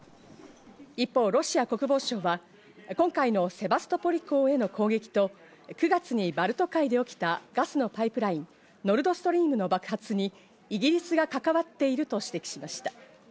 一方、ロシア国防省は今回のセバストポリ港への攻撃と、９月にバルト海で起きたガスのパイプライン・ノルドストリームの爆発にイギリスが関わっていると指摘しました。